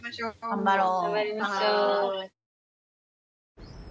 頑張ろう。